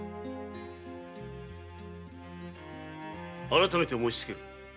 改めて申しつける。